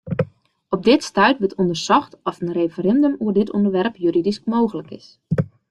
Op dit stuit wurdt ûndersocht oft in referindum oer dit ûnderwerp juridysk mooglik is.